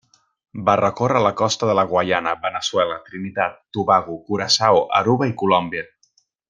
Va recórrer la costa de la Guaiana, Veneçuela, Trinitat, Tobago, Curaçao, Aruba i Colòmbia.